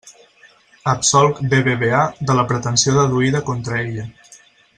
Absolc BBVA de la pretensió deduïda contra ella.